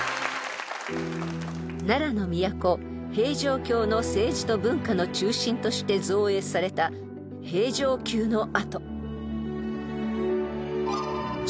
［奈良の都平城京の政治と文化の中心として造営された平城宮の跡］